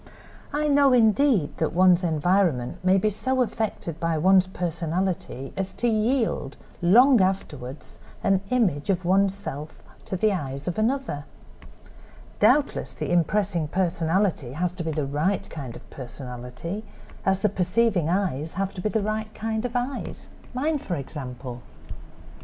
I know, indeed, that one's environment may be so affected by one's personality as to yield, long afterward, an image of one's self to the eyes of another. Doubtless the impressing personality has to be the right kind of personality as the perceiving eyes have to be the right kind of eyes—mine, for example."